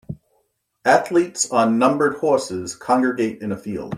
Athletes on numbered horses congregate in a field.